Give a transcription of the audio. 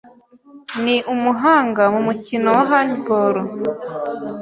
Ni umuhanga mu mukino wa Handball.